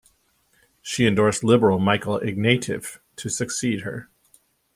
She endorsed Liberal Michael Ignatieff to succeed her.